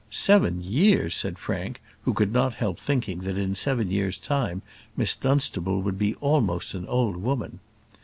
"Seven years!" said Frank, who could not help thinking that in seven years' time Miss Dunstable would be almost an old woman.